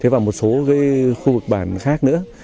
và một số khu vực bàn khác nữa